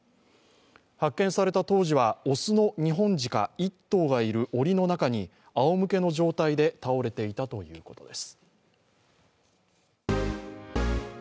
発見された当時は雄のニホンジカ１頭がいるおりの中であおむけの状態で倒れていたということです。